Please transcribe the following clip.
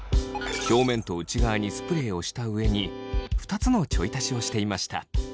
表面と内側にスプレーをした上に２つのちょい足しをしていました。